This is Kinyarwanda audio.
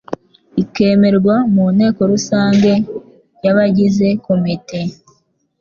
ikemerwa mu nteko rusange yabagize komite